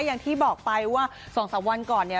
อย่างที่บอกไปว่าสองสามวันก่อนเนี้ย